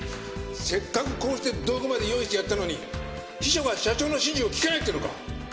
せっかくこうして道具まで用意してやったのに秘書が社長の指示を聞けないっていうのか！？